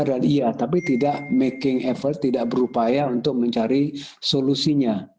dan iya tapi tidak berusaha untuk mencari solusinya